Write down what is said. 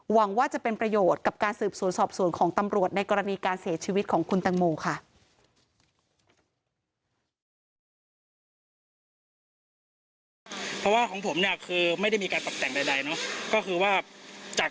หวังว่าจะเป็นประโยชน์กับการสืบสวนสอบสวนของตำรวจในกรณีการเสียชีวิตของคุณตังโมค่ะ